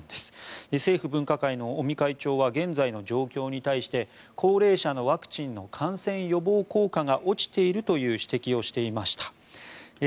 政府分科会の尾身会長は現在の状況に対して高齢者のワクチンの感染予防効果が落ちているという指摘をしていました。